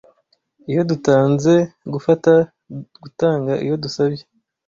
iyo dutanze gufata gutanga iyo dusabye